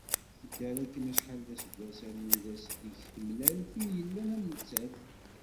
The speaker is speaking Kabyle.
Tedder akken acḥal d aseggas armi d ass ideg d-temlal tin yellan am nettat.